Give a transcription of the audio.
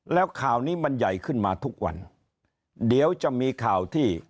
แล้วข่าวนี้มันใหญ่ขึ้นมาทุกวันเดี๋ยวจะมีข่าวที่